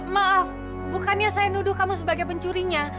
maaf bukannya saya nuduh kamu sebagai pencurinya